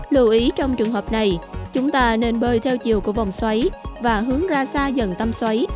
lưu ý trong trường hợp này chúng ta nên bơi theo chiều của vòng xoáy và hướng ra xa dần tâm xoáy